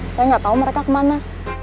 saya nggak tahu mereka kemana